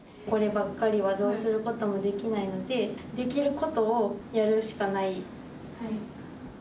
こればかりはどうすることもできないので、できることをやるしかない。